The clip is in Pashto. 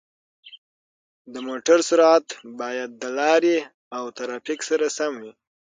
د موټر سرعت باید د لارې او ترافیک سره سم وي.